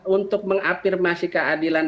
untuk mengafirmasi keadilan